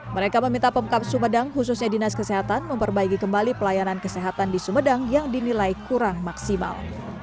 mereka meminta pemkap sumedang khususnya dinas kesehatan memperbaiki kembali pelayanan kesehatan di sumedang yang dinilai kurang maksimal